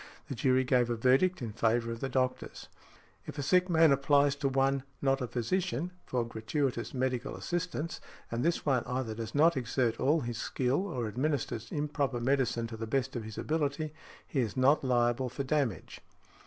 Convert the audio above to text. The jury gave a verdict in favour of the doctors . If a sick man applies to one, not a physician, for |67| gratuitous medical assistance, and this one either does not exert all his skill, or administers improper medicine to the best of his ability, he is not liable for damage .